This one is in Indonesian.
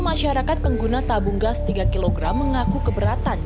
masyarakat pengguna tabung gas tiga kg mengaku keberatan